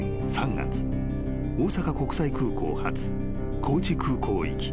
［大阪国際空港発高知空港行き］